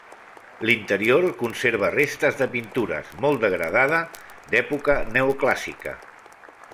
L'interior conserva restes de pintures, molt degradada, d'època neoclàssica.